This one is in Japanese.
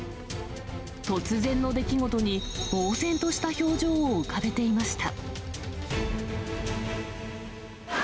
突然の出来事に、ぼう然とした表情を浮かべていました。